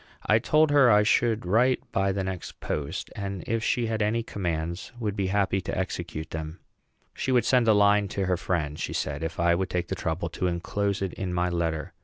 I told her I should write by the next post, and, if she had any commands, would be happy to execute them. She would send a line to her friend, she said, if I would take the trouble to enclose it in my letter.